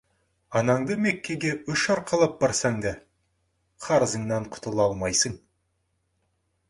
Анаңды Меккеге үш арқалап барсаң да, қарызыңнан құтыла алмайсың.